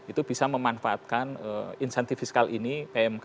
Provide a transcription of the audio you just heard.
itu bisa memanfaatkan insentif fiskal ini pmk dua ratus